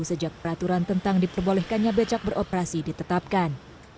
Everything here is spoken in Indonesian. sejak peraturan tentang diperbolehkannya becak beroperasi ditetapkan